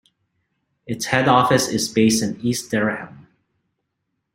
Its head office is based in East Dereham.